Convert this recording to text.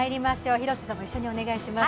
広瀬さんも一緒にお願いします。